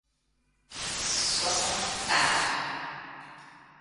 soixante-quatre